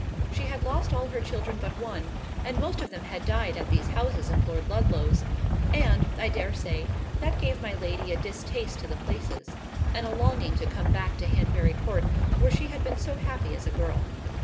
She had lost all her children but one, and most of them had died at these houses of Lord Ludlow's; and, I dare say, that gave my lady a distaste to the places, and a longing to come back to Hanbury Court, where she had been so happy as a girl.